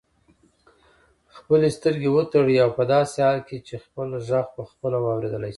خپلې سترګې وتړئ او په داسې حال کې چې خپل غږ پخپله واورېدلای شئ.